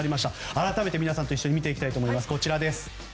改めて皆さんと見ていきたいと思います。